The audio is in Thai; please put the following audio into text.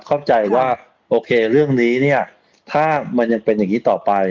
เข้าใจว่าโอเคเรื่องนี้เนี่ยถ้ามันยังเป็นอย่างนี้ต่อไป